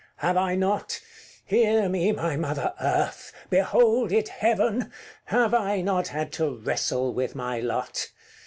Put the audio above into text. Have I not Hear me, my mother Earth! behold it, Heaven! Have I not had to wrestle with my lot?